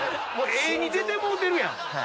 絵に出てもうてるやん！